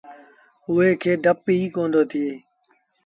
اُئي کي ڊپ ئيٚ ڪوندي ٿيو۔